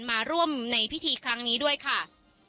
มาร่วมในพิธีครั้งนี้ด้วยค่ะ